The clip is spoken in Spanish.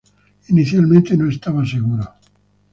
Inicialmente, no estaba seguro.